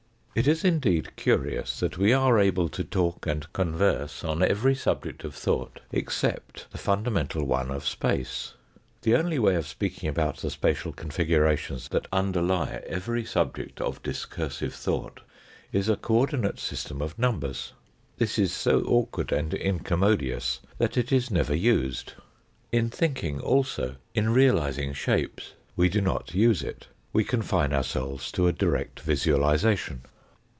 It is indeed curious that we are able to talk and converse on every subject of thought except the funda mental one of space. The only way of speaking about the spatial configurations that underlie every subject of discursive thought is a co ordinate system of numbers. This is so awkward and incommodious that it is never used. In thinking also, in realising shapes, we do not use it ; we confine ourselves to a direct visualisation.